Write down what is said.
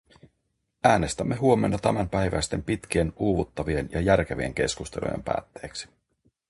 Äänestämme huomenna tämänpäiväisten pitkien, uuvuttavien ja järkevien keskustelujen päätteeksi.